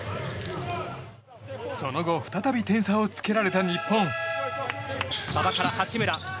その後再び点差をつけられた日本。